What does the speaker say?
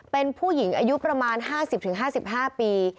เป็นผู้หญิงอายุประมาณ๕๐๕๕ปี